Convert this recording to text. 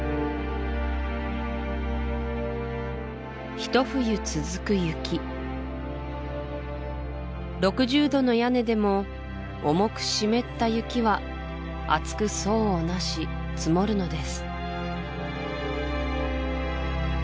ひと冬続く雪６０度の屋根でも重く湿った雪は厚く層をなし積もるのです